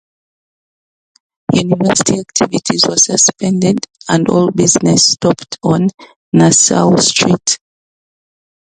University activities were suspended and all business stopped on Nassau Street.